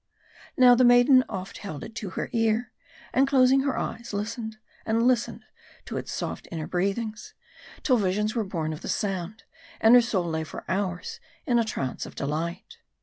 Now, the maiden oft held it to her ear, and closing her eyes, listened and listened to its soft inner breathings, till visions were born of the sound, and her soul lay for hours in a trance of delight.